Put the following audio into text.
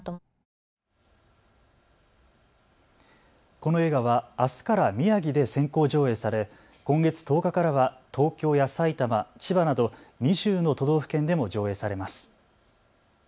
この映画はあすから宮城で先行上映され今月１０日からは東京や埼玉、千葉など２０の都道府県でも上映されます。